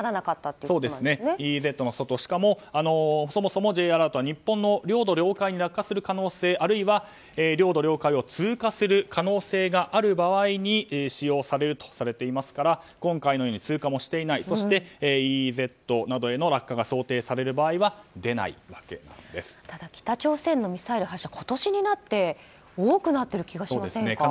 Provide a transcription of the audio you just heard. そうですね、ＥＥＺの外しかも、そもそもＪアラートは日本の領土・領海に落下する可能性あるいは領土・領海を通過する可能性がある場合に使用されるとされていますから今回のように通過もしていないそしてＥＥＺなどへの落下がただ、北朝鮮のミサイル発射今年になって多くなっている気がしませんか？